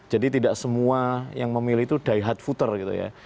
jadi tidak semua yang memilih itu die hard footer gitu ya